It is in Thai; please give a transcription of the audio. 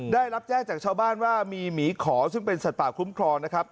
ได้รับแจ้งจากชาวบ้านว่ามีหมีขอซึ่งเป็นสัตว์ป่าคุ้มครองนะครับ